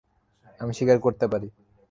আমি শিকার করতে পারি।